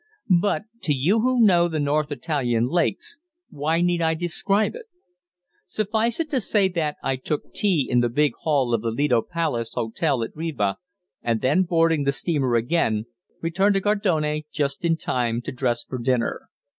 But, to you who know the north Italian lakes, why need I describe it? Suffice it to say that I took tea in the big hall of the Lido Palace Hotel at Riva, and then, boarding the steamer again, returned to Gardone just in time to dress for dinner.